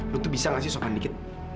lo tuh bisa gak sih sokandikit